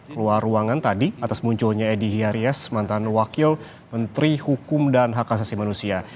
keluar ruangan tadi atas munculnya edi hiarias mantan wakil menteri hukum dan hak asasi manusia